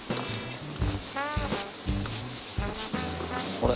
あれ？